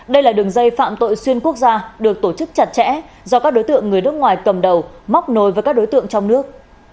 đây là đường dây phạm tội xuyên quốc gia được tổ chức chặt chẽ do các đối tượng người nước ngoài cầm đầu móc nối với các đối tượng trong nước